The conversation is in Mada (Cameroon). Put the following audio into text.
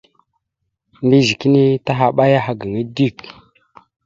Mbiyez kini tahaɓaya aha gaŋa dik.